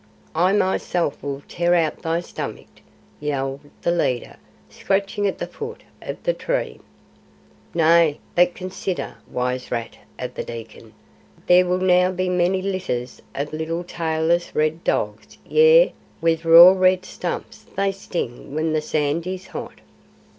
"I myself will tear out thy stomach!" yelled the leader, scratching at the foot of the tree. "Nay, but consider, wise rat of the Dekkan. There will now be many litters of little tailless red dogs, yea, with raw red stumps that sting when the sand is hot.